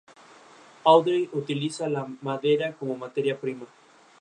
Audrey utiliza la madera como materia prima.